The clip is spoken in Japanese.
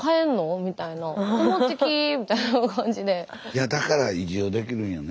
いやだから移住できるんやね。